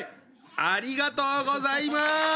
ありがとうございます！